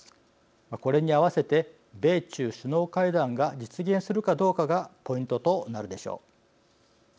これに合わせて米中首脳会談が実現するかどうかがポイントとなるでしょう。